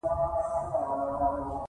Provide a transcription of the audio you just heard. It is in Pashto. دا سفر د ناول د فلسفي مفکورو اصلي محرک و.